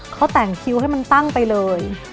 เขาแต่งคิวให้มันตั้งไปเลย